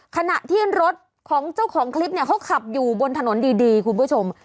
ขณะที่รถของเจ้าของคลิปเนี่ยเขาขับอยู่บนถนนดีคุณผู้ชม